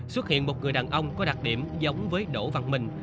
xuất hiện một người đàn ông có đặc điểm giống với đỗ văn minh